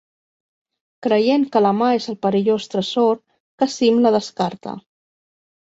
Creient que la mà és el perillós tresor, Cassim la descarta.